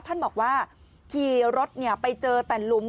ท่านบอกว่าขี่รถไปเจอแต่หลุม